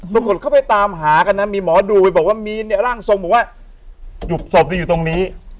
ต้องกดเข้าไปตามหากันนะมีหมอดูว่ามีมีเนี่ยร่างทรงก็บอกว่าสบจะอยู่ตรงนี้